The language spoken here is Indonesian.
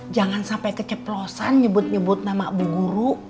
jangan sampai keceplosan nyebut nyebut nama bu guru